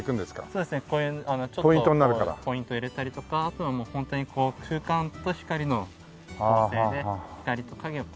そうですねちょっとポイント入れたりとかあとは本当に空間と光の構成で光と影を使って。